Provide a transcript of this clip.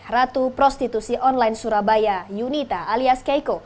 ratu prostitusi online surabaya yunita alias keiko